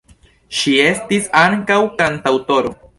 Ŝi estis ankaŭ kantaŭtoro.